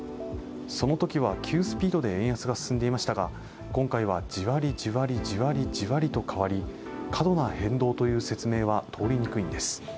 そのときは急スピードで円安が進んでいましたが、今回はじわりじわりじわりじわりと変わり、過度な変動という説明は通りにくいんです。